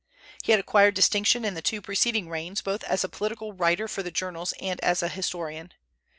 He had acquired distinction in the two preceding reigns, both as a political writer for the journals and as a historian.